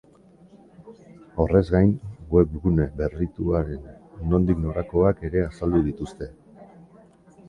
Horrez gain, webgune berrituaren nondik norakoak ere azaldu dituzte.